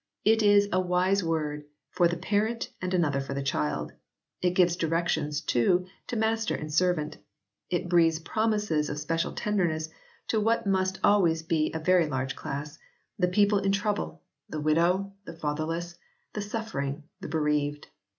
It is a wise word for the parent and another for the child ; it gives directions, too, to master and servant. It breathes promises of special tenderness to what must always be a very large class the people in trouble, ii] WYCLIFFE S MANUSCRIPT BIBLE 21 the widow, the fatherless, the suffering, the bereaved.